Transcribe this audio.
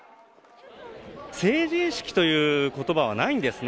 成人式という言葉はないんですね。